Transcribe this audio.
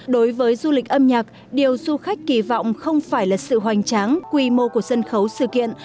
đối với du lịch âm nhạc điều du khách kỳ vọng không phải là sự hoành tráng quy mô của sân khấu sự kiện